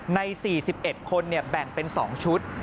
ใน๔๑คนแบ่งเป็น๒ชุด